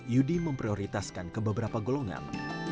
yudi memprioritaskan ke beberapa golongan